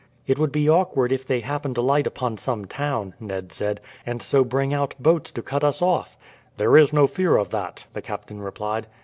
"It would be awkward if they happen to light upon some town," Ned said, "and so bring out boats to cut us off." "There is no fear of that," the captain replied.